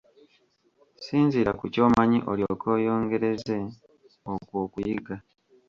Sinziira ku ky'omanyi olyoke oyongereze okwo okuyiga.